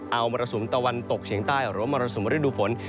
เอามรสุมตะวันตกเฉียงใต้หรือว่ามรสุมฤดูฝน